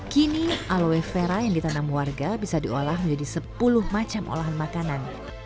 kini aloe vera yang ditanam warga bisa diolah menjadi sepuluh macam olahan makanan